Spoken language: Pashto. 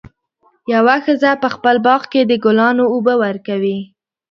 یوه ښځه په خپل باغ کې د ګلانو اوبه ورکولې.